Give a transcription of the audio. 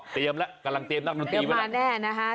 เตรียมแล้วกำลังเตรียมนักหนุนธีอยู่ละ